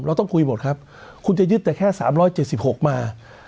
เราต้องคุยหมดครับคุณจะยึดแต่แค่๓๗๖มา